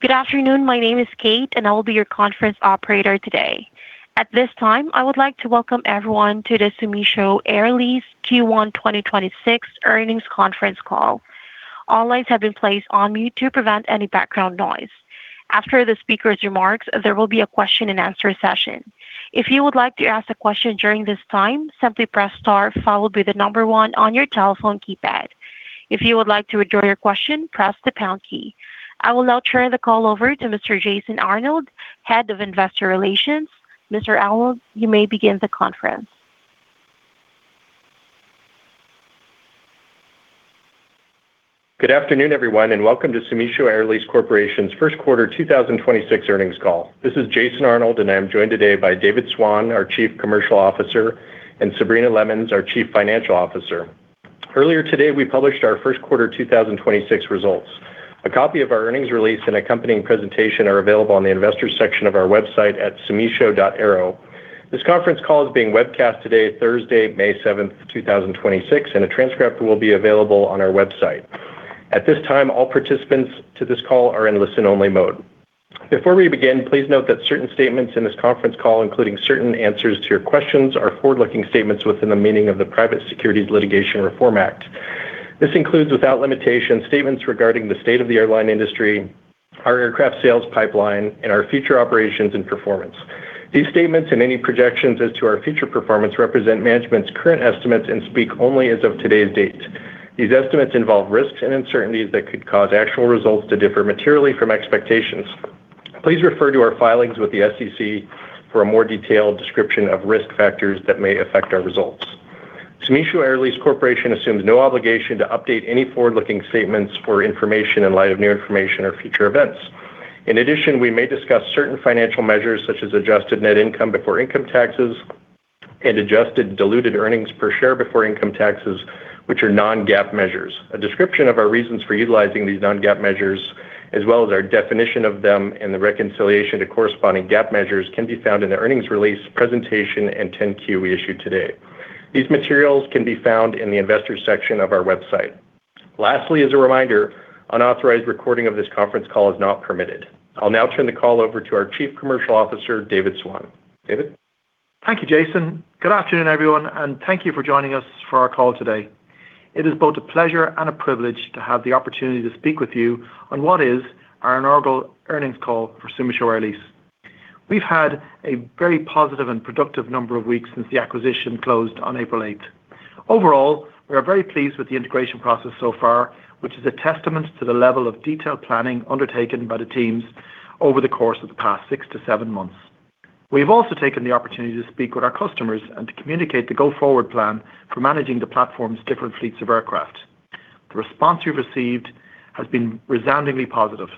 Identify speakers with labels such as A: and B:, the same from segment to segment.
A: Good afternoon. My name is Kate, and I will be your conference operator today. At this time, I would like to welcome everyone to the Sumisho Air Lease Q1 2026 earnings conference call. All lines have been placed on mute to prevent any background noise. After the speaker's remarks, there will be a question and answer session. If you would like to ask a question during this time, simply press star followed by the number one on your telephone keypad. If you would like to withdraw your question, press the pound key. I will now turn the call over to Mr. Jason Arnold, Head of Investor Relations. Mr. Arnold, you may begin the conference.
B: Good afternoon, everyone, and welcome to Sumisho Air Lease Corporation's first quarter 2026 earnings call. This is Jason Arnold, and I'm joined today by David Swan, our Chief Commercial Officer, and Sabrina Lemmens, our Chief Financial Officer. Earlier today, we published our first quarter 2026 results. A copy of our earnings release and accompanying presentation are available on the investors section of our website at sumisho.aero. This conference call is being webcast today, Thursday, May 7, 2026, and a transcript will be available on our website. At this time, all participants to this call are in listen-only mode. Before we begin, please note that certain statements in this conference call, including certain answers to your questions, are forward-looking statements within the meaning of the Private Securities Litigation Reform Act. This includes, without limitation, statements regarding the state of the airline industry, our aircraft sales pipeline, and our future operations and performance. These statements and any projections as to our future performance represent management's current estimates and speak only as of today's date. These estimates involve risks and uncertainties that could cause actual results to differ materially from expectations. Please refer to our filings with the SEC for a more detailed description of risk factors that may affect our results. Sumisho Air Lease Corporation assumes no obligation to update any forward-looking statements or information in light of new information or future events. In addition, we may discuss certain financial measures such as adjusted net income before income taxes and adjusted diluted earnings per share before income taxes, which are non-GAAP measures. A description of our reasons for utilizing these non-GAAP measures, as well as our definition of them and the reconciliation to corresponding GAAP measures, can be found in the earnings release presentation and 10-Q we issued today. These materials can be found in the investors section of our website. Lastly, as a reminder, unauthorized recording of this conference call is not permitted. I'll now turn the call over to our Chief Commercial Officer, David Swan. David?
C: Thank you, Jason. Good afternoon, everyone, and thank you for joining us for our call today. It is both a pleasure and a privilege to have the opportunity to speak with you on what is our inaugural earnings call for Sumisho Air Lease. We've had a very positive and productive number of weeks since the acquisition closed on April eighth. Overall, we are very pleased with the integration process so far, which is a testament to the level of detailed planning undertaken by the teams over the course of the past six to seven months. We've also taken the opportunity to speak with our customers and to communicate the go-forward plan for managing the platform's different fleets of aircraft. The response we've received has been resoundingly positive.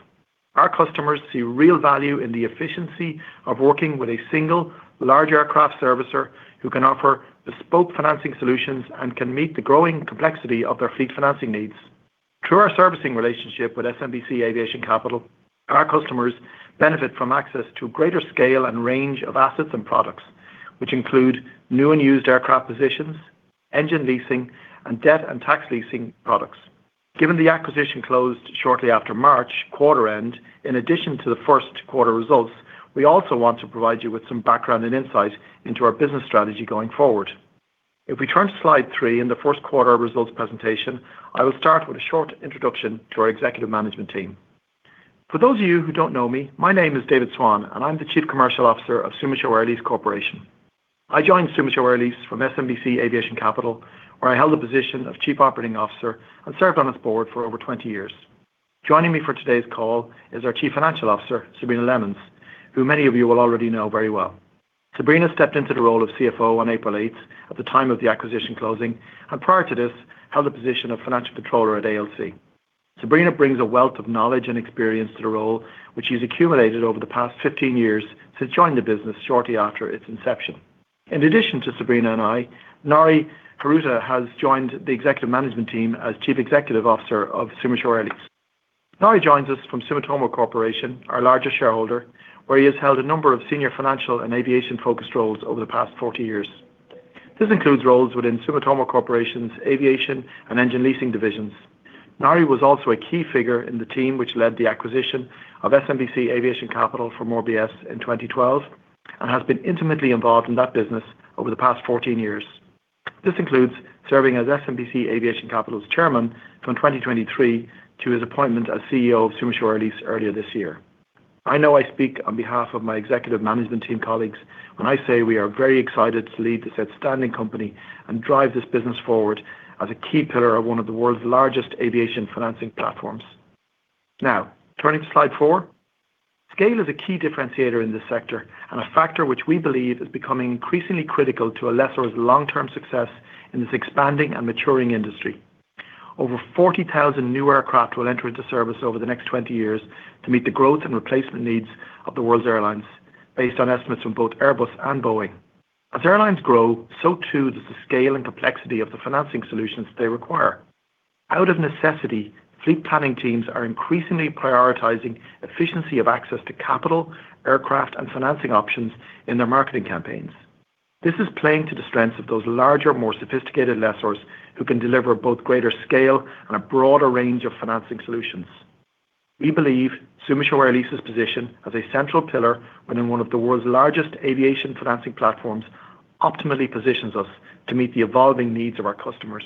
C: Our customers see real value in the efficiency of working with a single large aircraft servicer who can offer bespoke financing solutions and can meet the growing complexity of their fleet financing needs. Through our servicing relationship with SMBC Aviation Capital, our customers benefit from access to greater scale and range of assets and products, which include new and used aircraft positions, engine leasing, and debt and tax leasing products. Given the acquisition closed shortly after March quarter end, in addition to the first quarter results, we also want to provide you with some background and insight into our business strategy going forward. If we turn to slide three in the first quarter results presentation, I will start with a short introduction to our executive management team. For those of you who don't know me, my name is David Swan, I'm the Chief Commercial Officer of Sumisho Air Lease Corporation. I joined Sumisho Air Lease from SMBC Aviation Capital, where I held the position of Chief Operating Officer and served on its board for over 20 years. Joining me for today's call is our Chief Financial Officer, Sabrina Lemmens, who many of you will already know very well. Sabrina stepped into the role of Chief Financial Officer on April 8 at the time of the acquisition closing, prior to this, held the position of Financial Controller at ALC. Sabrina brings a wealth of knowledge and experience to the role, which she's accumulated over the past 15 years since joining the business shortly after its inception. In addition to Sabrina and I, Nari Hiruta has joined the executive management team as Chief Executive Officer of Sumisho Air Lease. Nari joins us from Sumitomo Corporation, our largest shareholder, where he has held a number of senior financial and aviation-focused roles over the past 40 years. This includes roles within Sumitomo Corporation's Aviation and Engine Leasing divisions. Nari was also a key figure in the team which led the acquisition of SMBC Aviation Capital from RBS in 2012 and has been intimately involved in that business over the past 14 years. This includes serving as SMBC Aviation Capital's Chairman from 2023 to his appointment as Chief Executive Officer of Sumisho Air Lease earlier this year. I know I speak on behalf of my executive management team colleagues when I say we are very excited to lead this outstanding company and drive this business forward as a key pillar of one of the world's largest aviation financing platforms. Turning to slide four. Scale is a key differentiator in this sector and a factor which we believe is becoming increasingly critical to a lessor's long-term success in this expanding and maturing industry. Over 40,000 new aircraft will enter into service over the next 20 years to meet the growth and replacement needs of the world's airlines based on estimates from both Airbus and Boeing. As airlines grow, so too does the scale and complexity of the financing solutions they require. Out of necessity, fleet planning teams are increasingly prioritizing efficiency of access to capital, aircraft, and financing options in their marketing campaigns. This is playing to the strengths of those larger, more sophisticated lessors who can deliver both greater scale and a broader range of financing solutions. We believe Sumisho Air Lease's position as a central pillar within one of the world's largest aviation financing platforms optimally positions us to meet the evolving needs of our customers.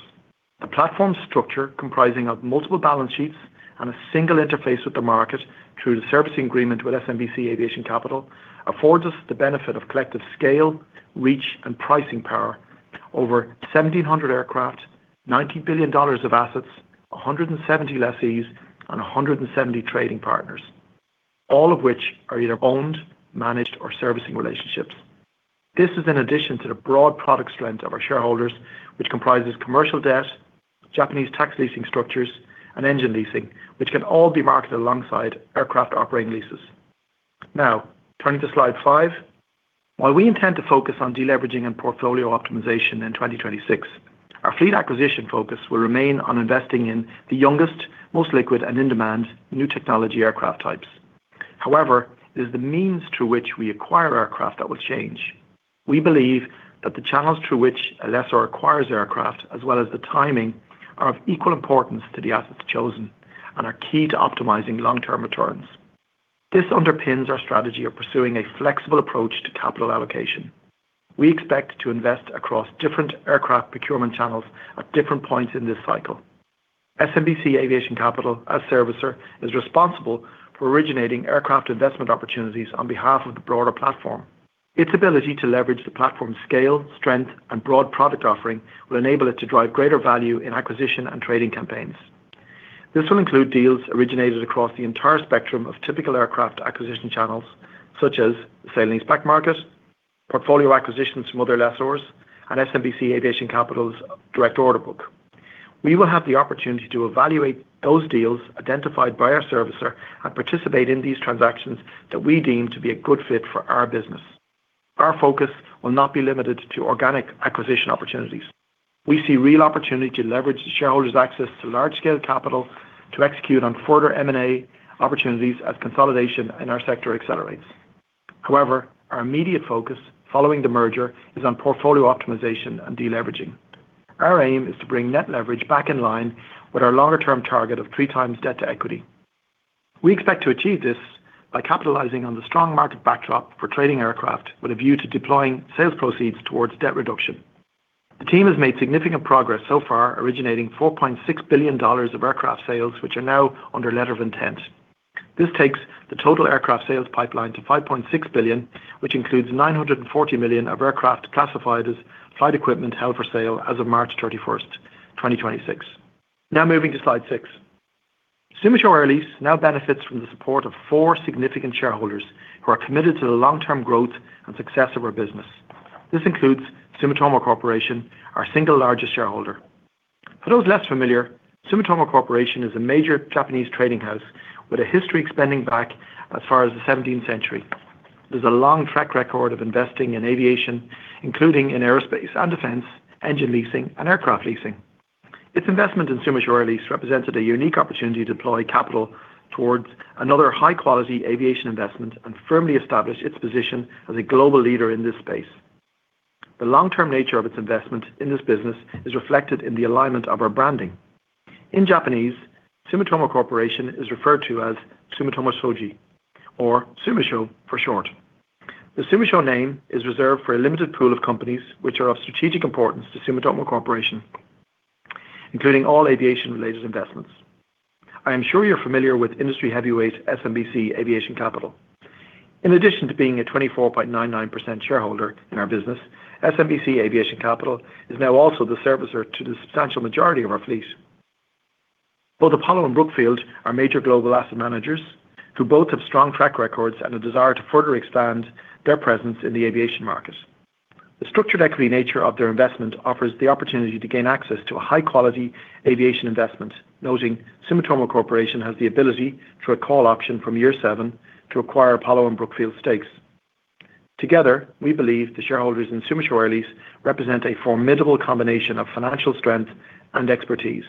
C: The platform structure comprising of multiple balance sheets and a single interface with the market through the servicing agreement with SMBC Aviation Capital, affords us the benefit of collective scale, reach, and pricing power over 1,700 aircraft, $90 billion of assets, 170 lessees, and 170 trading partners, all of which are either owned, managed, or servicing relationships. This is in addition to the broad product strength of our shareholders, which comprises commercial debt, Japanese tax leasing structures, and engine leasing, which can all be marketed alongside aircraft operating leases. Turning to slide five. While we intend to focus on deleveraging and portfolio optimization in 2026, our fleet acquisition focus will remain on investing in the youngest, most liquid, and in-demand new technology aircraft types. It is the means to which we acquire aircraft that will change. We believe that the channels through which a lessor acquires aircraft as well as the timing are of equal importance to the assets chosen and are key to optimizing long-term returns. This underpins our strategy of pursuing a flexible approach to capital allocation. We expect to invest across different aircraft procurement channels at different points in this cycle. SMBC Aviation Capital as servicer is responsible for originating aircraft investment opportunities on behalf of the broader platform. Its ability to leverage the platform scale, strength, and broad product offering will enable it to drive greater value in acquisition and trading campaigns. This will include deals originated across the entire spectrum of typical aircraft acquisition channels such as the sale-leaseback market, portfolio acquisitions from other lessors, and SMBC Aviation Capital's direct orderbook. We will have the opportunity to evaluate those deals identified by our servicer and participate in these transactions that we deem to be a good fit for our business. Our focus will not be limited to organic acquisition opportunities. We see real opportunity to leverage the shareholders' access to large-scale capital to execute on further M&A opportunities as consolidation in our sector accelerates. However, our immediate focus following the merger is on portfolio optimization and deleveraging. Our aim is to bring net leverage back in line with our longer-term target of 3.0x debt-to-equity. We expect to achieve this by capitalizing on the strong market backdrop for trading aircraft with a view to deploying sales proceeds towards debt reduction. The team has made significant progress so far, originating $4.6 billion of aircraft sales, which are now under letters of intent. This takes the total aircraft sales pipeline to $5.6 billion, which includes $940 million of aircraft classified as flight equipment held for sale as of March 31, 2026. Now moving to slide six. Sumisho Air Lease now benefits from the support of four significant shareholders who are committed to the long-term growth and success of our business. This includes Sumitomo Corporation, our single largest shareholder. For those less familiar, Sumitomo Corporation is a major Japanese trading house with a history extending back as far as the 17th century. There's a long track record of investing in aviation, including in aerospace and defense, engine leasing, and aircraft leasing. Its investment in Sumisho Air Lease represents a unique opportunity to deploy capital towards another high-quality aviation investment and firmly establish its position as a global leader in this space. The long-term nature of its investment in this business is reflected in the alignment of our branding. In Japanese, Sumitomo Corporation is referred to as Sumitomo Shoji, or Sumisho for short. The Sumisho name is reserved for a limited pool of companies which are of strategic importance to Sumitomo Corporation, including all aviation-related investments. I am sure you're familiar with industry heavyweight SMBC Aviation Capital. In addition to being a 24.99% shareholder in our business, SMBC Aviation Capital is now also the servicer to the substantial majority of our fleet. Both Apollo and Brookfield are major global asset managers who both have strong track records and a desire to further expand their presence in the aviation market. The structured equity nature of their investment offers the opportunity to gain access to a high-quality aviation investment, noting Sumitomo Corporation has the ability through a call option from year seven to acquire Apollo and Brookfield stakes. Together, we believe the shareholders in Sumisho Air Lease represent a formidable combination of financial strength and expertise.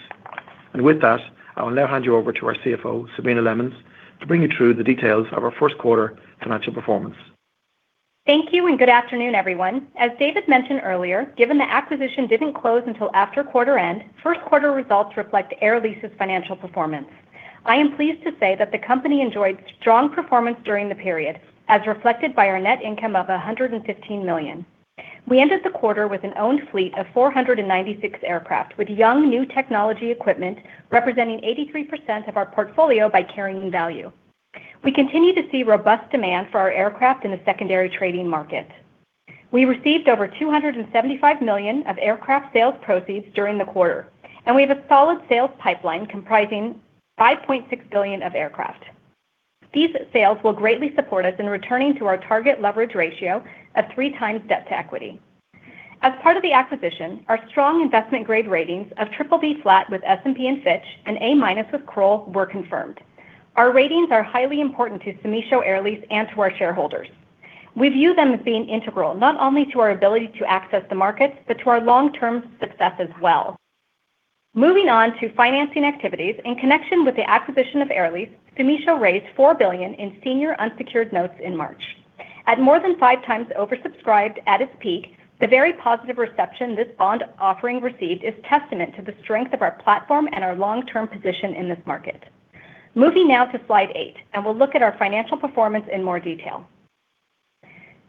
C: With that, I will now hand you over to our Chief Financial Officer, Sabrina Lemmens, to bring you through the details of our first quarter financial performance.
D: Thank you. Good afternoon, everyone. As David mentioned earlier, given the acquisition didn't close until after quarter end, first quarter results reflect Air Lease's financial performance. I am pleased to say that the company enjoyed strong performance during the period, as reflected by our net income of $115 million. We ended the quarter with an owned fleet of 496 aircraft with young new technology equipment representing 83% of our portfolio by carrying value. We continue to see robust demand for our aircraft in the secondary trading market. We received over $275 million of aircraft sales proceeds during the quarter, and we have a solid sales pipeline comprising $5.6 billion of aircraft. These sales will greatly support us in returning to our target leverage ratio of three times debt-to-equity. As part of the acquisition, our strong investment grade ratings of BBB flat with S&P and Fitch and A- with Kroll were confirmed. Our ratings are highly important to Sumisho Air Lease and to our shareholders. We view them as being integral not only to our ability to access the markets, but to our long-term success as well. Moving on to financing activities. In connection with the acquisition of Air Lease, Sumitomo raised $4 billion in senior unsecured notes in March. At more than five times oversubscribed at its peak, the very positive reception this bond offering received is testament to the strength of our platform and our long-term position in this market. Moving now to slide 8. We'll look at our financial performance in more detail.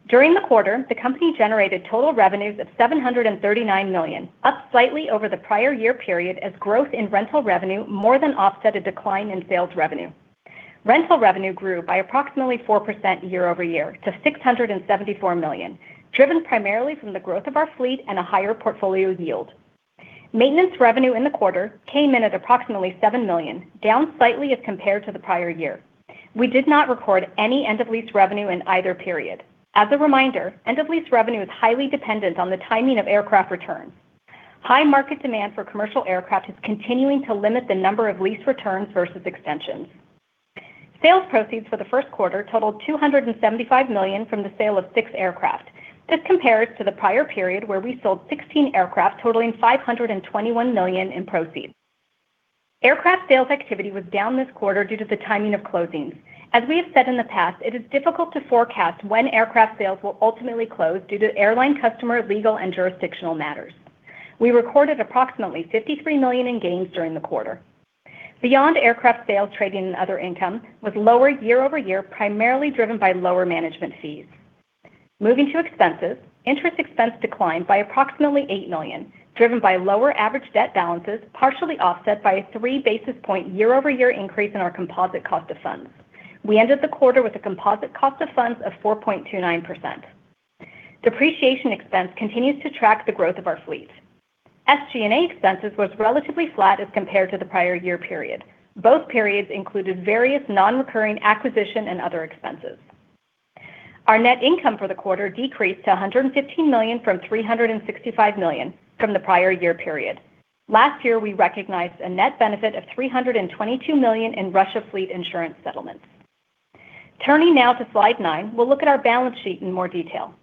D: During the quarter, the company generated total revenues of $739 million, up slightly over the prior year period as growth in rental revenue more than offset a decline in sales revenue. Rental revenue grew by approximately 4% year-over-year to $674 million, driven primarily from the growth of our fleet and a higher portfolio yield. Maintenance revenue in the quarter came in at approximately $7 million, down slightly as compared to the prior year. We did not record any end of lease revenue in either period. As a reminder, end of lease revenue is highly dependent on the timing of aircraft returns. High market demand for commercial aircraft is continuing to limit the number of lease returns versus extensions. Sales proceeds for the first quarter totaled $275 million from the sale of six aircraft. This compares to the prior period where we sold 16 aircraft totaling $521 million in proceeds. Aircraft sales activity was down this quarter due to the timing of closings. As we have said in the past, it is difficult to forecast when aircraft sales will ultimately close due to airline customer legal and jurisdictional matters. We recorded approximately $53 million in gains during the quarter. Beyond aircraft sales, trading and other income was lower year-over-year, primarily driven by lower management fees. Moving to expenses, interest expense declined by approximately $8 million, driven by lower average debt balances, partially offset by a 3 basis point year-over-year increase in our composite cost of funds. We ended the quarter with a composite cost of funds of 4.29%. Depreciation expense continues to track the growth of our fleet. SG&A expenses was relatively flat as compared to the prior year period. Both periods included various non-recurring acquisition and other expenses. Our net income for the quarter decreased to $115 million from $365 million from the prior year period. Last year, we recognized a net benefit of $322 million in Russia fleet insurance settlements. Turning now to slide nine, we'll look at our balance sheet in more detail.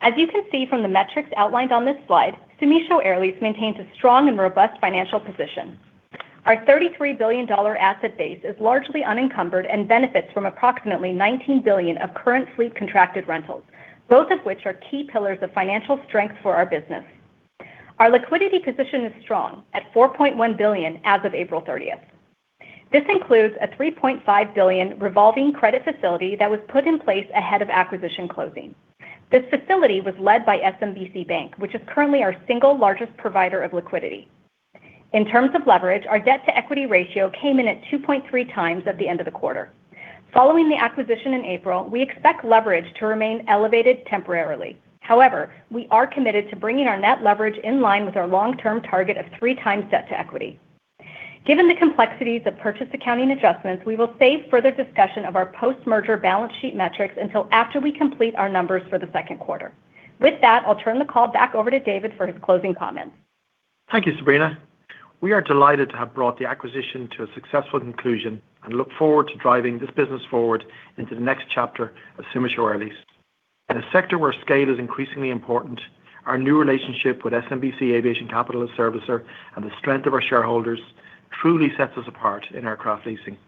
D: As you can see from the metrics outlined on this slide, Sumisho Air Lease maintains a strong and robust financial position. Our $33 billion asset base is largely unencumbered and benefits from approximately $19 billion of current fleet contracted rentals, both of which are key pillars of financial strength for our business. Our liquidity position is strong at $4.1 billion as of April 30th. This includes a $3.5 billion revolving credit facility that was put in place ahead of acquisition closing. This facility was led by SMBC Bank, which is currently our single largest provider of liquidity. In terms of leverage, our debt-to-equity ratio came in at 2.3x at the end of the quarter. Following the acquisition in April, we expect leverage to remain elevated temporarily. We are committed to bringing our net leverage in line with our long-term target of 3x debt to equity. Given the complexities of purchase accounting adjustments, we will save further discussion of our post-merger balance sheet metrics until after we complete our numbers for the second quarter. With that, I'll turn the call back over to David for his closing comments.
C: Thank you, Sabrina. We are delighted to have brought the acquisition to a successful conclusion and look forward to driving this business forward into the next chapter of Sumisho Air Lease. In a sector where scale is increasingly important, our new relationship with SMBC Aviation Capital as servicer and the strength of our shareholders truly sets us apart in aircraft leasing.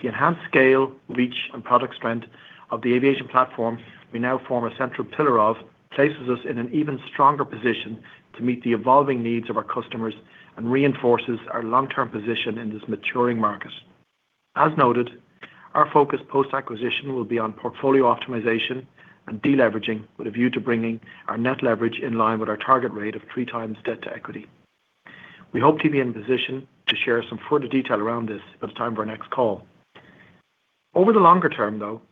C: The enhanced scale, reach, and product strength of the aviation platform we now form a central pillar of places us in an even stronger position to meet the evolving needs of our customers and reinforces our long-term position in this maturing market. As noted, our focus post-acquisition will be on portfolio optimization and deleveraging with a view to bringing our net leverage in line with our target rate of 3x debt to equity. We hope to be in position to share some further detail around this by the time of our next call. Over the longer term, though,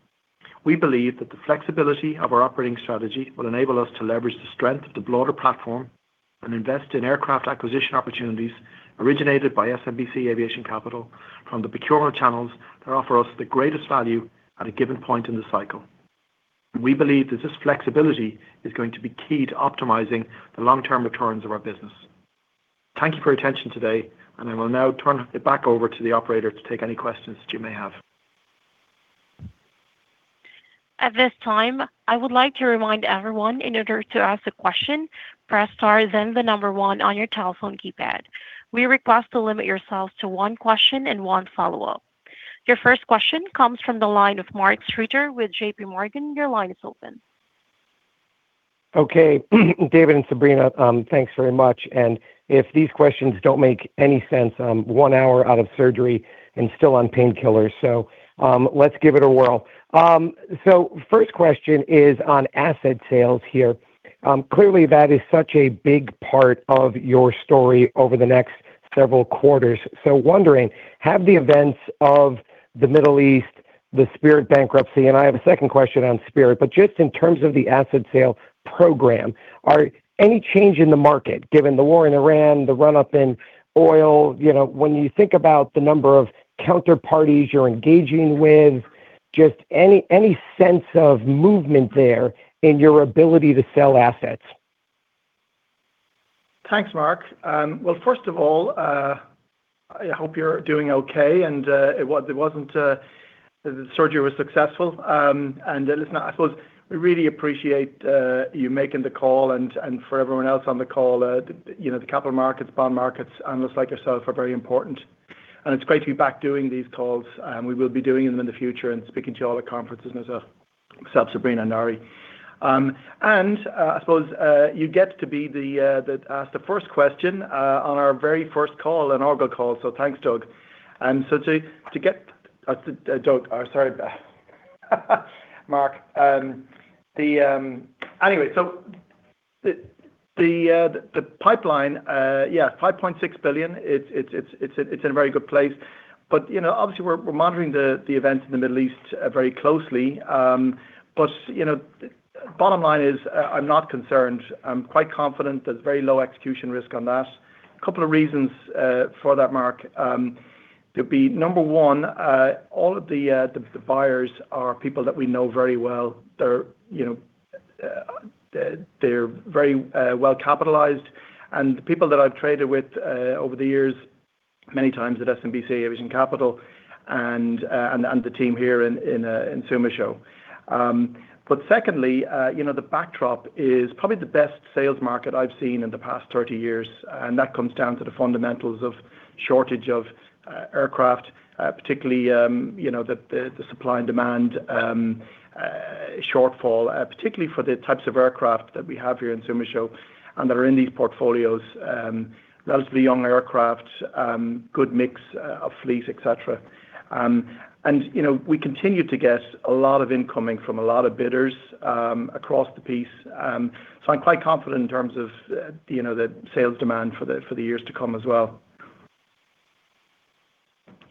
C: we believe that the flexibility of our operating strategy will enable us to leverage the strength of the broader platform and invest in aircraft acquisition opportunities originated by SMBC Aviation Capital from the procure channels that offer us the greatest value at a given point in the cycle. We believe that this flexibility is going to be key to optimizing the long-term returns of our business. Thank you for your attention today, and I will now turn it back over to the operator to take any questions that you may have.
A: Your first question comes from the line of Mark Streeter with JPMorgan. Your line is open.
E: Okay. David and Sabrina, thanks very much. If these questions don't make any sense, I'm 1 hour out of surgery and still on painkillers, so let's give it a whirl. First question is on asset sales here. Clearly that is such a big part of your story over the next several quarters. Wondering, have the events of the Middle East, the Spirit bankruptcy, and I have a second question on Spirit, but just in terms of the asset sale program, are any change in the market, given the war in Iran, the run-up in oil, you know, when you think about the number of counterparties you're engaging with, just any sense of movement there in your ability to sell assets?
C: Thanks Mark. Well first of all, I hope you're doing okay, the surgery was successful. Listen, I suppose we really appreciate you making the call and for everyone else on the call. You know, the capital markets, bond markets, analysts like yourself are very important. It's great to be back doing these calls, and we will be doing them in the future and speaking to all the conferences as well, except Sabrina Nari. I suppose you get to be the ask the first question on our very first call, inaugural call, so thanks, Mark. Anyway, the pipeline, yeah, $5.6 billion. It's in a very good place. You know obviously, we're monitoring the events in the Middle East very closely. You know, bottom line is, I'm not concerned. I'm quite confident there's very low execution risk on that. A couple of reasons for that, Mark. There'd be number one, all of the buyers are people that we know very well. They're, you know, they're very well-capitalized. The people that I've traded with over the years, many times at SMBC Aviation Capital and the team here in Sumisho. Secondly you know, the backdrop is probably the best sales market I've seen in the past 30 years, and that comes down to the fundamentals of shortage of aircraft particularly you know, the supply and demand shortfall, particularly for the types of aircraft that we have here in Sumisho and that are in these portfolios. Relatively young aircraft, good mix of fleet, et cetera. You know we continue to get a lot of incoming from a lot of bidders across the piece. I'm quite confident in terms of, you know the sales demand for the years to come as well.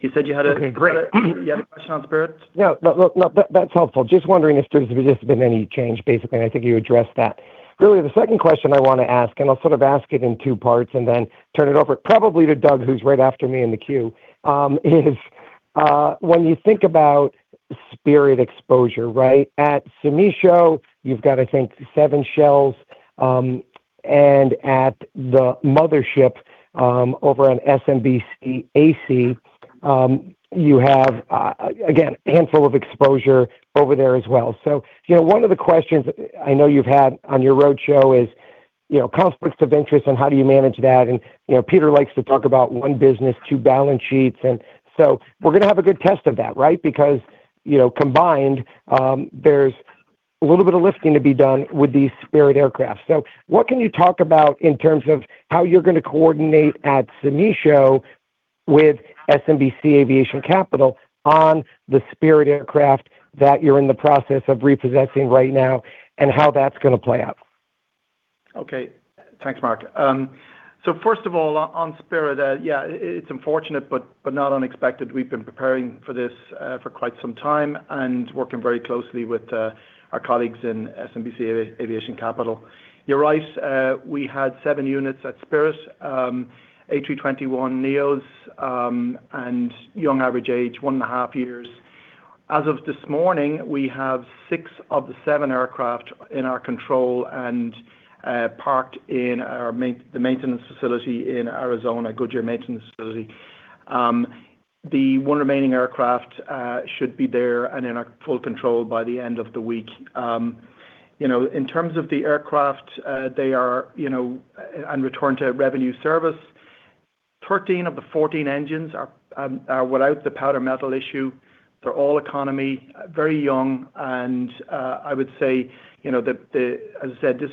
E: Okay, great.
C: You have a question on Spirit?
E: No, look, that's helpful. Just wondering if there's been any change, basically. I think you addressed that. Really, the second question I wanna ask. I'll sort of ask it in two parts and then turn it over probably to Doug, who's right after me in the queue, when you think about Spirit Airlines exposure, right? At Sumisho, you've got, I think seven aircraft. At the mothership, over on SMBC AC you have again, handful of exposure over there as well. You know, one of the questions I know you've had on your roadshow is, you know, conflicts of interest and how do you manage that. You know, Peter likes to talk about '"One Business, Two Balance Sheets. We're gonna have a good test of that, right? You know combined, there's a little bit of lifting to be done with these Spirit aircraft. What can you talk about in terms of how you're gonna coordinate at Sumisho with SMBC Aviation Capital on the Spirit aircraft that you're in the process of repossessing right now, and how that's gonna play out?
C: Thanks Mark. first of all on Spirit, Yeah, it's unfortunate but not unexpected. We've been preparing for this for quite some time and working very closely with our colleagues in SMBC Aviation Capital. You're right. We had seven units at Spirit, A321neos, and young average age, one and a half years. As of this morning, we have six of the seven aircraft in our control and parked in our main maintenance facility in Arizona, Goodyear maintenance facility. The one remaining aircraft should be there and in our full control by the end of the week. You know, in terms of the aircraft, they are, you know, on return to revenue service. 13 of the 14 engines are without the powder metal issue. They're all economy, very young, and you know as I said, this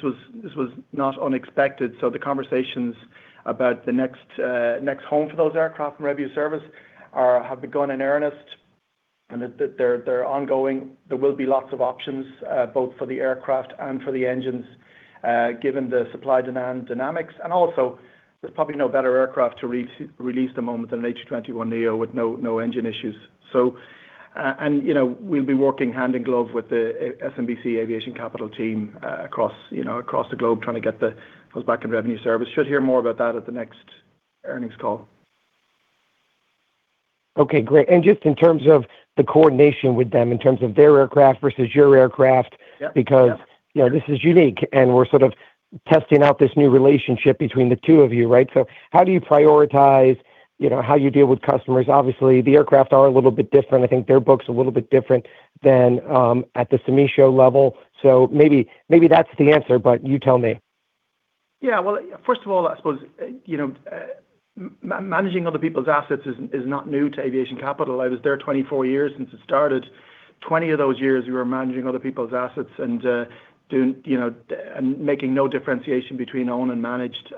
C: was not unexpected. The conversations about the next home for those aircraft and revenue service have begun in earnest, and they're ongoing. There will be lots of options, both for the aircraft and for the engines, given the supply demand dynamics. Also, there's probably no better aircraft to re-release the moment than A321neo with no engine issues. And, you know, we'll be working hand in glove with the SMBC Aviation Capital team, across, you know, across the globe, trying to get those back in revenue service. Should hear more about that at the next earnings call.
E: Okay, great. Just in terms of the coordination with them, in terms of their aircraft versus your aircraft?
C: Yeah.
E: You know, this is unique, and we're sort of testing out this new relationship between the two of you, right? How do you prioritize, you know, how you deal with customers? Obviously, the aircraft are a little bit different. I think their book's a little bit different than at the Sumisho level. Maybe, maybe that's the answer, but you tell me.
C: Well, first of all, I suppose, you know, managing other people's assets is not new to SMBC Aviation Capital. I was there 24 years since it started. 20 of those years, we were managing other people's assets and, you know making no differentiation between owned and managed.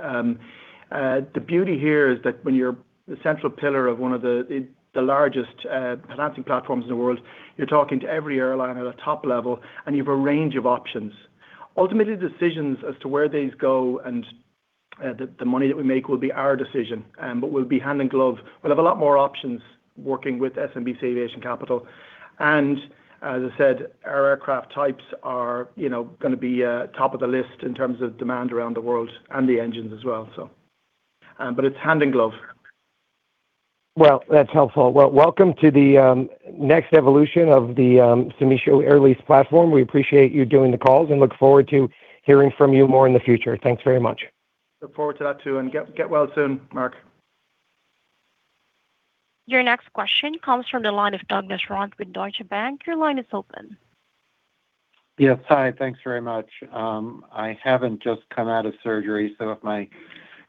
C: The beauty here is that when you're the central pillar of one of the largest financing platforms in the world, you're talking to every airline at a top level, and you have a range of options. Ultimately, decisions as to where these go and the money that we make will be our decision. But we'll be hand in glove. We'll have a lot more options working with SMBC Aviation Capital. As I said, our aircraft types are, you know, gonna be top of the list in terms of demand around the world and the engines as well, so. It's hand in glove.
E: Well, that's helpful. Well, welcome to the next evolution of the Sumisho Air Lease platform. We appreciate you doing the calls and look forward to hearing from you more in the future. Thanks very much.
C: Look forward to that too. Get well soon, Mark.
A: Your next question comes from the line of Douglas Runte with Deutsche Bank. Your line is open.
F: Yes. Hi, thanks very much. I haven't just come out of surgery, so if my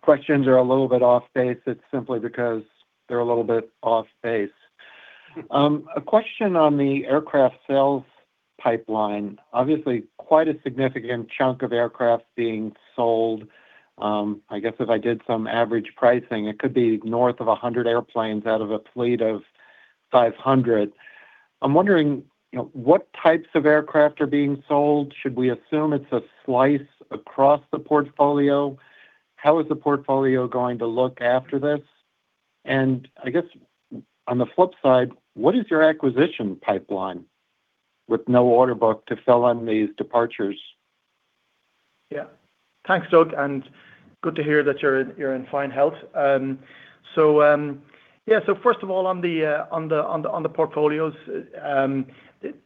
F: questions are a little bit off base, it's simply because they're a little bit off base. A question on the aircraft sales pipeline. Obviously, quite a significant chunk of aircraft being sold. I guess if I did some average pricing, it could be north of 100 airplanes out of a fleet of 500. I'm wondering, you know, what types of aircraft are being sold? Should we assume it's a slice across the portfolio? How is the portfolio going to look after this? I guess on the flip side, what is your acquisition pipeline with no order book to sell on these departures?
C: Thanks, Doug, good to hear that you're in fine health. First of all, on the portfolios,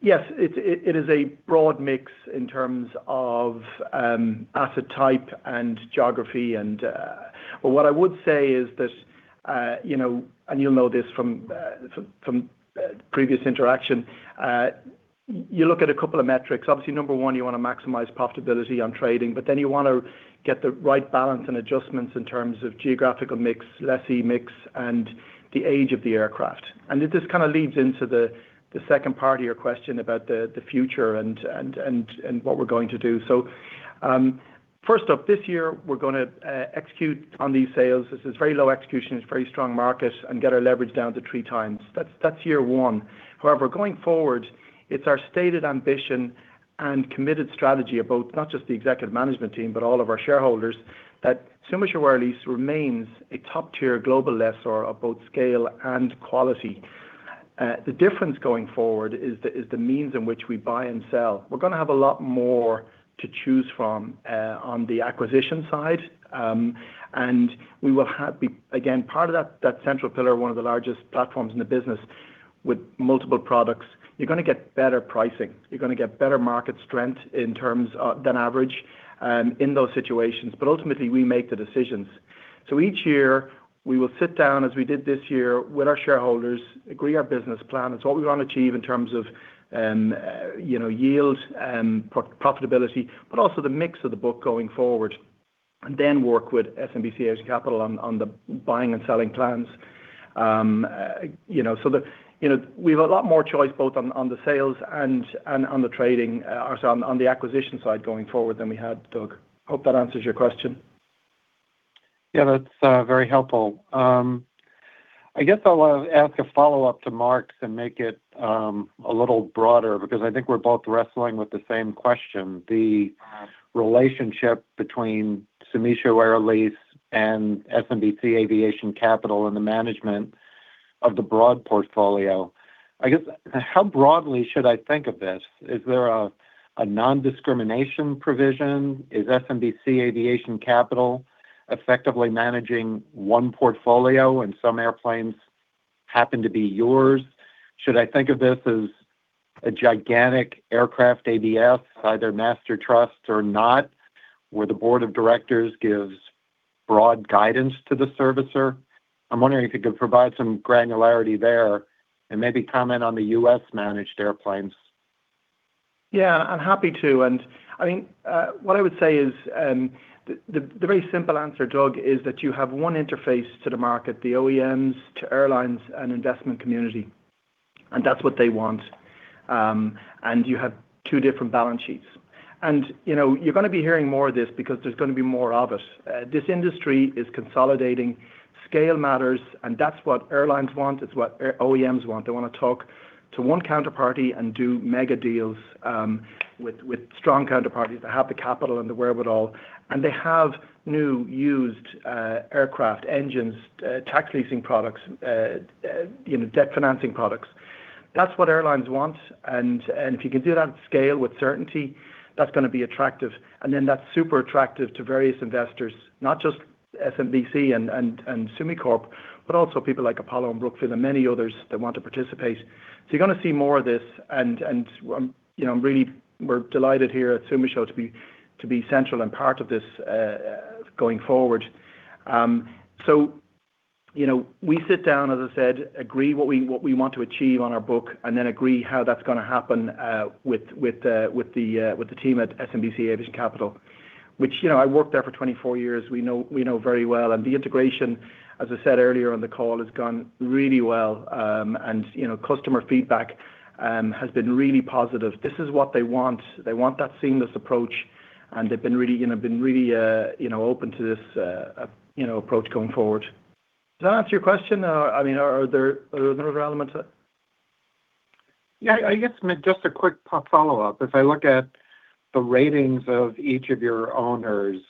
C: yes it is a broad mix in terms of asset type and geography. What I would say is that, you know, you'll know this from previous interaction, you look at a couple of metrics. Obviously, number one, you want to maximize profitability on trading, then you want to get the right balance and adjustments in terms of geographical mix, lessee mix, and the age of the aircraft. This kind of leads into the second part of your question about the future and what we're going to do. First up, this year we're gonna execute on these sales. This is very low execution. It's very strong market, and get our leverage down to 3x. That's year one. However, going forward, it's our stated ambition and committed strategy of both, not just the executive management team, but all of our shareholders, that Sumisho Air Lease remains a top-tier global lessor of both scale and quality. The difference going forward is the means in which we buy and sell. We're gonna have a lot more to choose from on the acquisition side, and we will have Again, part of that central pillar, one of the largest platforms in the business with multiple products. You're gonna get better pricing. You're gonna get better market strength in terms of than average in those situations. Ultimately, we make the decisions. Each year we will sit down, as we did this year, with our shareholders, agree our business plan. It's what we want to achieve in terms of, you know, yield, profitability, but also the mix of the book going forward, and then work with SMBC Aviation Capital on the buying and selling plans. We have a lot more choice both on the sales and on the trading, or sorry, on the acquisition side going forward than we had, Doug. Hope that answers your question.
F: That's very helpful. I guess I'll ask a follow-up to Mark's and make it a little broader because I think we're both wrestling with the same question, the relationship between Sumisho Air Lease and SMBC Aviation Capital and the management of the broad portfolio. I guess, how broadly should I think of this? Is there a non-discrimination provision? Is SMBC Aviation Capital effectively managing one portfolio and some airplanes happen to be yours? Should I think of this as a gigantic aircraft ABS, either master trust or not, where the board of directors gives broad guidance to the servicer? I'm wondering if you could provide some granularity there and maybe comment on the U.S. managed airplanes.
C: Yeah, I'm happy to. The very simple answer, Doug, is that you have one interface to the market, the OEMs to airlines and investment community, and that's what they want. You have two different balance sheets. You know, you're gonna be hearing more of this because there's gonna be more of it. This industry is consolidating. Scale matters, that's what airlines want. It's what OEMs want. They want to talk to one counterparty and do mega deals with strong counterparties that have the capital and the wherewithal. They have new used aircraft engines, tax leasing products, you know, debt financing products. That's what airlines want. If you can do that at scale with certainty, that's gonna be attractive. That's super attractive to various investors, not just SMBC and Sumi Corp, but also people like Apollo and Brookfield and many others that want to participate. You're gonna see more of this. You know, really we're delighted here at Sumitomo to be central and part of this going forward. You know, we sit down, as I said, agree what we want to achieve on our book, and then agree how that's gonna happen with the team at SMBC Aviation Capital, which, you know, I worked there for 24 years. We know very well. The integration, as I said earlier on the call, has gone really well. You know, customer feedback has been really positive. This is what they want. They want that seamless approach, and they've been really, you know, open to this, you know, approach going forward. Does that answer your question? I mean, are there other elements?
F: Yeah, I guess just a quick follow-up. If I look at the ratings of each of your owners,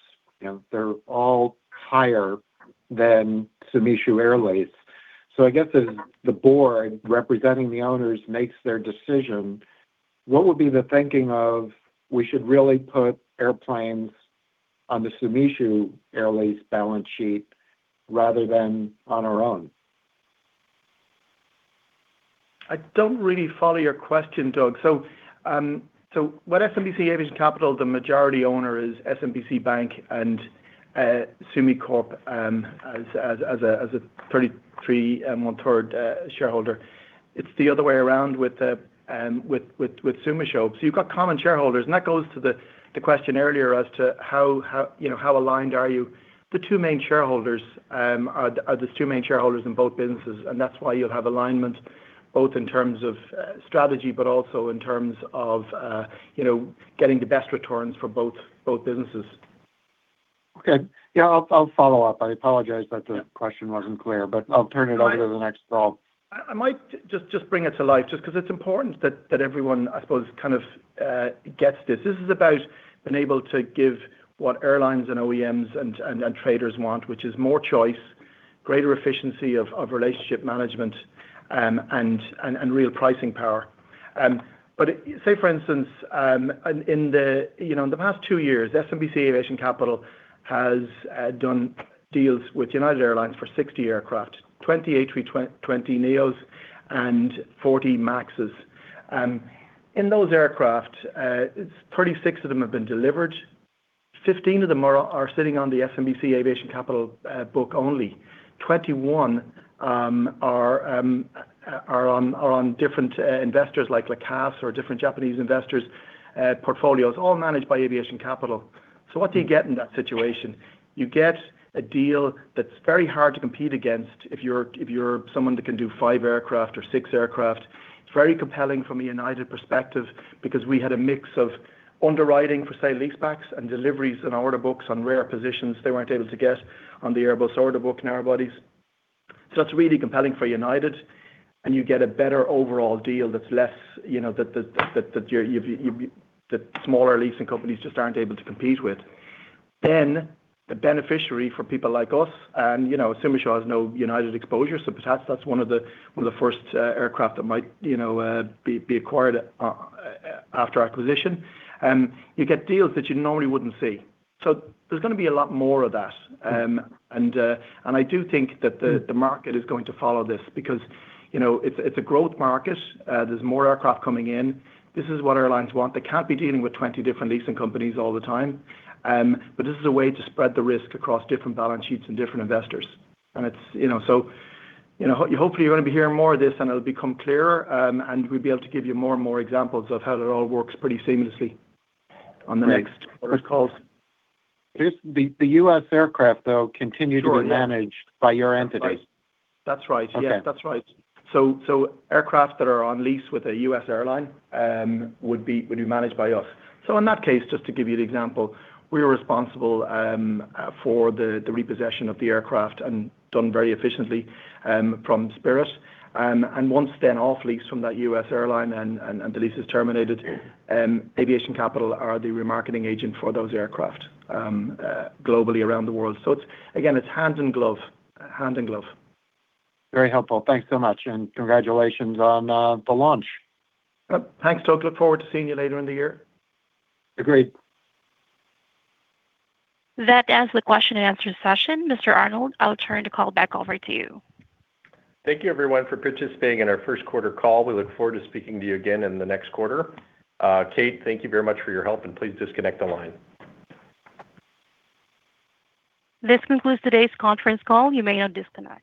F: you know, they're all higher than Sumisho Air Lease. I guess as the board representing the owners makes their decision, what would be the thinking of we should really put airplanes on the Sumisho Air Lease balance sheet rather than on our own?
C: I don't really follow your question, Doug. What SMBC Aviation Capital, the majority owner is SMBC Bank and Sumi Corp, as a 33 and 1/3 shareholder. It's the other way around with Sumisho. You've got common shareholders. That goes to the question earlier as to how, you know, how aligned are you? The two main shareholders are the two main shareholders in both businesses, and that's why you'll have alignment both in terms of strategy, but also in terms of, you know, getting the best returns for both businesses.
F: Okay. Yeah, I'll follow up. I apologize that the question wasn't clear. I'll turn it over to the next call.
C: I might just bring it to life just 'cause it's important that everyone, I suppose, kind of gets this. This is about being able to give what airlines and OEMs and traders want, which is more choice, greater efficiency of relationship management, and real pricing power. Say for instance, in the, you know, in the past two years, SMBC Aviation Capital has done deals with United Airlines for 60 aircraft, 20 A320neos and 40 MAXs. In those aircraft, 36 of them have been delivered. 15 of them are sitting on the SMBC Aviation Capital book only. 21 are on different investors like JOLCOs or different Japanese investors' portfolios, all managed by Aviation Capital. What do you get in that situation? You get a deal that's very hard to compete against if you're someone that can do 5 aircraft or 6 aircraft. It's very compelling from a United perspective because we had a mix of underwriting for sale lease backs and deliveries and order books on rare positions they weren't able to get on the Airbus order book and narrowbodies. That's really compelling for United, and you get a better overall deal that's less, you know, that smaller leasing companies just aren't able to compete with. The beneficiary for people like us, and you know, Sumisho has no United exposure, so perhaps that's one of the first aircraft that might, you know, be acquired after acquisition. You get deals that you normally wouldn't see. There's gonna be a lot more of that. I do think that the market is going to follow this because it's a growth market. There's more aircraft coming in. This is what airlines want. They can't be dealing with 20 different leasing companies all the time. This is a way to spread the risk across different balance sheets and different investors. Hopefully you're gonna be hearing more of this, and it'll become clearer, and we'll be able to give you more and more examples of how it all works pretty seamlessly on the next quarter calls.
F: The U.S. aircraft, though, continue to be managed by your entity.
C: That's right. Yeah.
F: Okay.
C: That's right. Aircraft that are on lease with a U.S. airline would be managed by us. In that case, just to give you the example, we are responsible for the repossession of the aircraft and done very efficiently from Spirit. Once then off lease from that U.S. airline and the lease is terminated, Aviation Capital are the remarketing agent for those aircraft globally around the world. It's again, it's hand in glove, hand in glove.
F: Very helpful. Thanks so much. Congratulations on the launch.
C: Thanks, Doug. Look forward to seeing you later in the year.
F: Agreed.
A: That ends the question and answer session. Mr. Arnold, I'll turn the call back over to you.
B: Thank you everyone for participating in our first quarter call. We look forward to speaking to you again in the next quarter. Kate, thank you very much for your help, and please disconnect the line.
A: This concludes today's conference call. You may now disconnect.